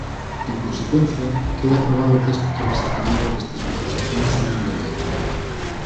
En consecuencia, queda aprobado o texto transaccionado destas proposicións non de lei.